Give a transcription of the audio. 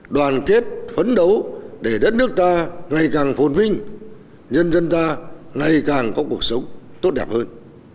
đoàn kết phấn đấu để đất nước ta ngày càng phồn vinh nhân dân ta ngày càng có cuộc sống tốt đẹp hơn